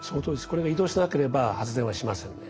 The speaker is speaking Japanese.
これが移動しなければ発電はしませんね。